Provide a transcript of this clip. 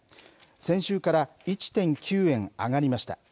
先週から１．９円上がりました。